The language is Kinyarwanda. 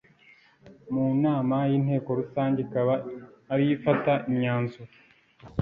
mu nama y inteko rusange ikaba ariyo ifata imyanzuro